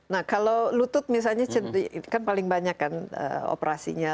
nah kalau lutut misalnya kan paling banyak kan operasinya